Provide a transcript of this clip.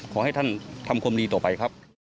ขอให้ท่านทำความดีต่อไปครับ